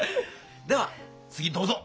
では次どうぞ！